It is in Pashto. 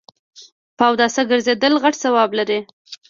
په اوداسه ګرځیدل غټ ثواب لري